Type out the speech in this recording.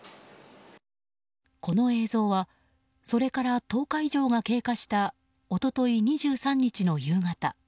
この映像はそれから１０日以上が経過した一昨日２３日の夕方。